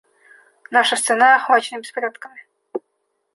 Наша страна охвачена беспорядками.